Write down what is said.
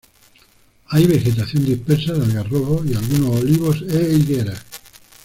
Hay vegetación dispersa de algarrobos y algunos olivos e higueras.